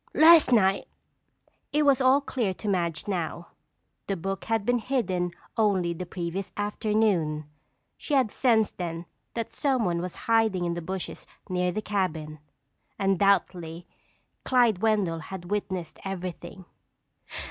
"Las' night." It was all clear to Madge now. The book had been hidden only the previous afternoon. She had sensed then that someone was hiding in the bushes near the cabin. Undoubtedly, Clyde Wendell had witnessed everything.